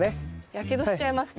やけどしちゃいますね。